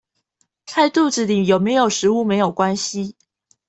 和肚子裡有沒有食物沒有關係